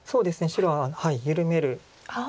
白は緩める。